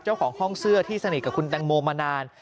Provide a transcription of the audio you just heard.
เจ้าของห้องเสื้อที่สนิทกับคุณแตงโมมานาน